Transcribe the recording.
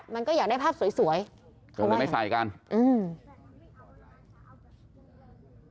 มันก็อยากได้ภาพสวยสวยก็เลยไม่ใส่กันอืม